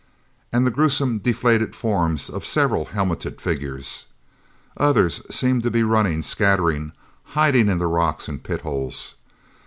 And the gruesome deflated forms of several helmeted figures. Others seemed to be running, scattering hiding in the rocks and pit holes.